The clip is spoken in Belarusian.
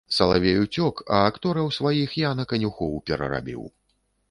Салавей уцёк, а актораў сваіх я на канюхоў перарабіў.